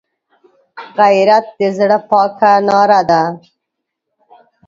غیرت د زړه پاکه ناره ده